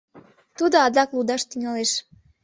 Тудо адак лудаш тӱҥалеш.